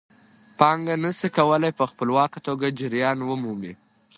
پانګه نشي کولای په خپلواکه توګه جریان ومومي